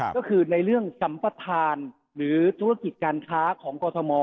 ก็คือในเรื่องสัมประธานหรือธุรกิจการค้าของกรทม